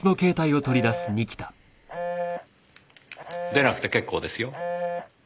出なくて結構ですよ。